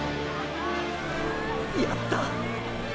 やった！！